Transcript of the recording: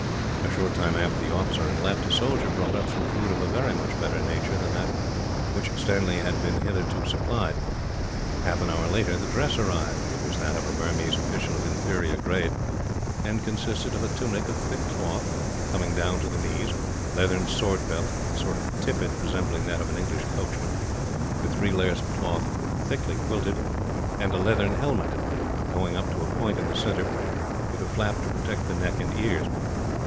A short time after the officer had left, a soldier brought up some food of a very much better nature than that with which Stanley had been hitherto supplied. Half an hour later, the dress arrived. It was that of a Burmese officer of inferior grade; and consisted of a tunic of thick cloth, coming down to the knees; leathern sword belt; a sort of tippet resembling that of an English coachman, with three layers of cloth thickly quilted; and a leathern helmet going up to a point in the centre, with a flap to protect the neck and ears.